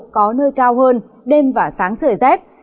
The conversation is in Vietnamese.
có nơi cao hơn đêm và sáng trời rét